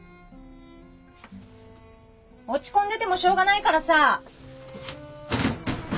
落ち込んでてもしょうがないからさ。